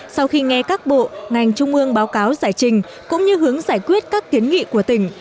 sau khi nghe các bộ ngành trung ương báo cáo giải trình cũng như hướng giải quyết các kiến nghị của tỉnh